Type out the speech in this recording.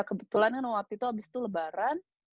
kebetulan kan waktu itu abis itu lebaran